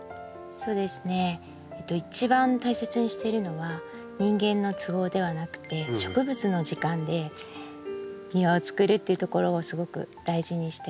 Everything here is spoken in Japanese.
そうですね一番大切にしてるのは人間の都合ではなくて植物の時間で庭をつくるっていうところをすごく大事にしてます。